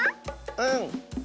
うん！